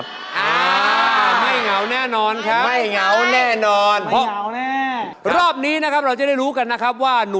เพื่อนคิดจริงนะน่ะ